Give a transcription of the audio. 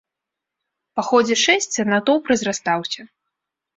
Па ходзе шэсця натоўп разрастаўся.